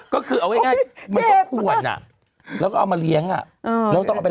ก็คือเอาง่ายมันก็ควรอ่ะแล้วก็เอามาเลี้ยงอ่ะแล้วต้องเอาไป